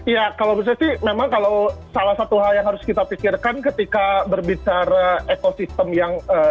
ya kalau menurut saya sih memang kalau salah satu hal yang harus kita pikirkan ketika berbicara ekosistem yang